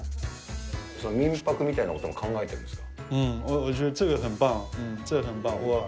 民泊みたいなことも考えてるんですか？